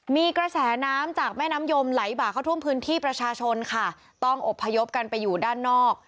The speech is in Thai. มีกระแสน้ำจากแม่น้ำยมไหลบากเข้าท่วมพื้นที่ประชาชนค่ะต้องอบพยพกันไปอยู่ด้านนอก